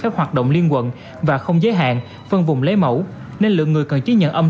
các hoạt động liên quận và không giới hạn phân vùng lấy mẫu nên lượng người cần chứng nhận âm